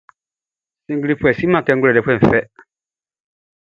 Siglifoué siâkê nʼglwêlêfoué fɛ.